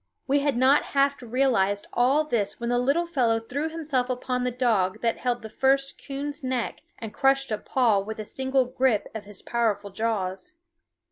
We had not half realized all this when the little fellow threw himself upon the dog that held the first coon's neck and crushed a paw with a single grip of his powerful jaws.